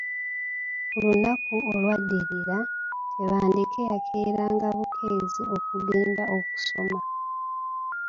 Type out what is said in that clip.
Ku lunaku olw’addirira, Tebandeke yakeeranga bukeezi okugenda okusoma.